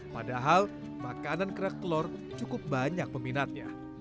padahal makanan kerak telur cukup banyak peminatnya